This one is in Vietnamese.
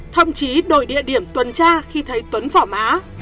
thậm chí đổi địa điểm tuần tra khi thấy tuấn phỏ mã